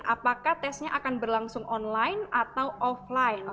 apakah tesnya akan berlangsung online atau offline